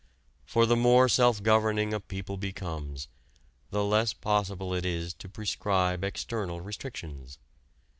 For the more self governing a people becomes, the less possible it is to prescribe external restrictions.